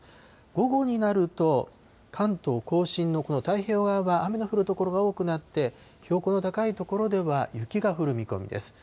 午後になると、関東甲信の太平洋側は雨の降る所が多くなって、標高の高い所では雪が降る見込みです。